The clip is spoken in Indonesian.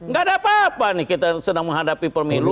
gak ada apa apa nih kita sedang menghadapi pemilu